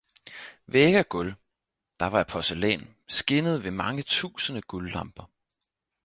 Vægge og gulv, der var af porcelæn, skinnede ved mange tusinde guldlamper